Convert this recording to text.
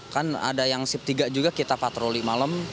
kan ada yang sip tiga juga kita patroli malam